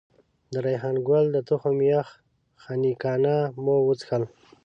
د ریحان ګل د تخم یخ خنکيانه مو وڅښل.